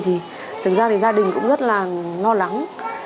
thì thật ra gia đình cũng rất là lo lắng